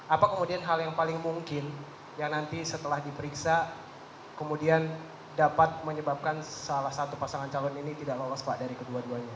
apa kemudian hal yang paling mungkin yang nanti setelah diperiksa kemudian dapat menyebabkan salah satu pasangan calon ini tidak lolos pak dari kedua duanya